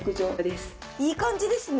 いい感じですね